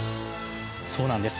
そうなんです